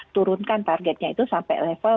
turunkan targetnya itu sampai level